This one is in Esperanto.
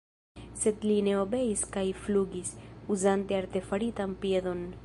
Sed li ne obeis kaj flugis, uzante artefaritan piedon.